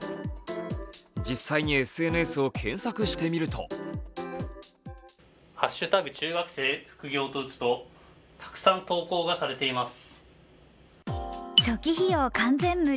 実際にＳＮＳを検索してみると「＃中学生副業」と打つとたくさん投稿がされています。